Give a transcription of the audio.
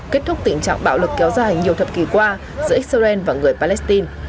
kết thúc tình trạng bạo lực kéo dài nhiều thập kỷ qua giữa israel và người palestine